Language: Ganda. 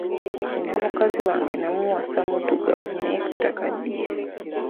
Nina mukazi wange namuwasa muddugavu naye kati akaddiye